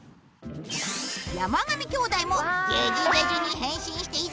山上兄弟もゲジゲジに変身していざ